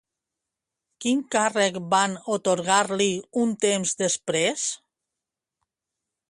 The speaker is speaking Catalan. Quin càrrec van atorgar-li un temps després?